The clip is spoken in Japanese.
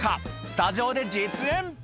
スタジオで実演